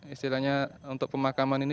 istilahnya untuk pemakaman ini